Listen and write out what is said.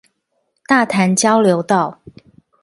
大潭交流道